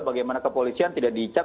bagaimana kepolisian tidak dicap